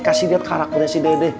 kasih lihat karakternya si dede